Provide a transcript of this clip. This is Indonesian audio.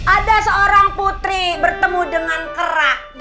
ada seorang putri bertemu dengan kera